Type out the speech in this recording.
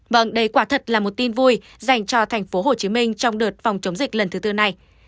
vâng đây quả thật là một tin vui dành cho tp hcm trong đợt phòng chống dịch lần thứ tư này